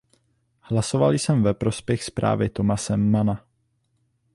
Hlasoval jsem ve prospěch zprávy Thomase Manna.